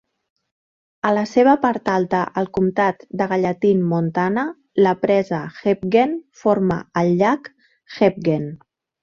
A la seva part alta al comtat de Gallatin, Montana, la presa Hebgen forma el llac Hebgen.